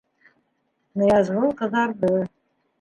Ныязғол ҡыҙарҙы.